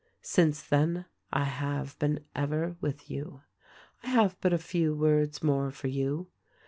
"Since then I have been ever with you. "I have but a few words more for you.